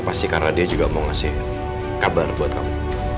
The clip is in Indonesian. pasti karena dia juga mau ngasih kabar buat kamu